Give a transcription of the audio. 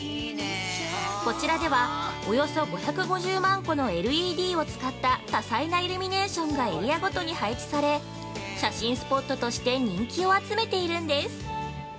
こちらで、およそ５５０万個のＬＥＤを使った多彩なイルミネーションがエリアごとに配置され、写真スポットとして人気を集めているんです。